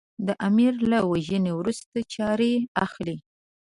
د امیر له وژنې وروسته چارې اخلي.